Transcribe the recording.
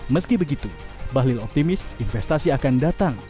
meski begitu bahlil optimis investasi akan datang